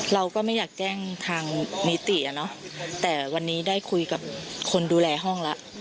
เราก็ไม่อยากแจ้งทางนิติอ่ะเนอะแต่วันนี้ได้คุยกับคนดูแลห้องแล้ว